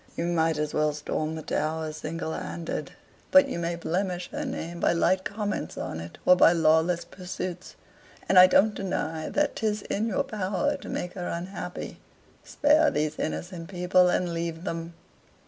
You might as well storm the Tower single handed. But you may blemish her name by light comments on it, or by lawless pursuits and I don't deny that 'tis in your power to make her unhappy. Spare these innocent people, and leave them."